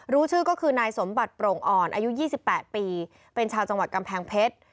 รู้ชื่อก็คือนายสมบัติโปร่งอ่อนอายุ๒๘ปีเป็นชาวจังหวัดกำแพงเพชร